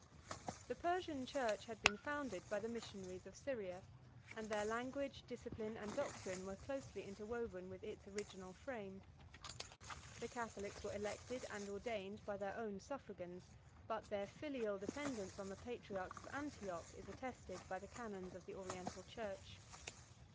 The Persian church had been founded by the missionaries of Syria; and their language, discipline, and doctrine, were closely interwoven with its original frame. The catholics were elected and ordained by their own suffragans; but their filial dependence on the patriarchs of Antioch is attested by the canons of the Oriental church.